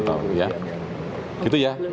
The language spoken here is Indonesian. belum tahu ya